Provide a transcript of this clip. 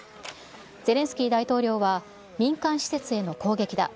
ゼレンスキー大統領は、民間施設への攻撃だ。